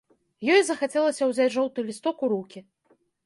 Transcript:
Ёй захацелася ўзяць жоўты лісток у рукі.